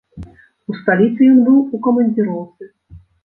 У сталіцы ён быў у камандзіроўцы.